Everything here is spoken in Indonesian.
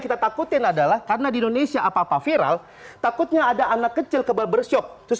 kita takutin adalah karena di indonesia apa apa viral takutnya ada anak kecil ke barbershop terus